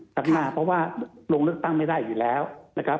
ข้างหน้าเพราะว่าลงเลือกตั้งไม่ได้อยู่แล้วนะครับ